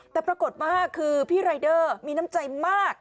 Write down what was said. แต่ปรากฏว่าคือพี่รายเดอร์มีน้ำใจมาก